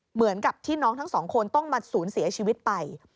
เหมือนกับที่น้องทั้งสองคนต้องมาสูญเสียชีวิตไป